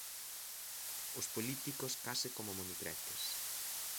Os políticos case como monicreques.